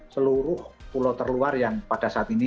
seluruh pulau terluar yang pada saat ini